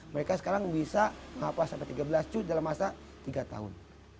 mereka sekarang bisa hafal sampai tiga belas juta dalam masa tiga tahun